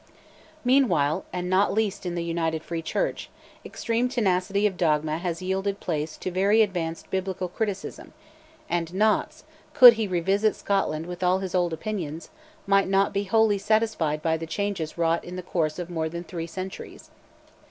Meanwhile, and not least in the United Free Church, extreme tenacity of dogma has yielded place to very advanced Biblical criticism; and Knox, could he revisit Scotland with all his old opinions, might not be wholly satisfied by the changes wrought in the course of more than three centuries.